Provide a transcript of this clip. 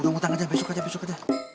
utang utang aja besok besok aja